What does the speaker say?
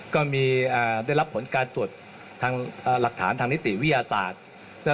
ได้รับผลการตรวจทางหลักฐานทางนิติวิทยาศาสตร์